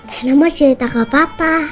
rena mau cerita ke papa